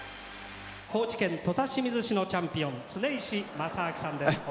高知県土佐清水市のチャンピオン恒石正彰さんです。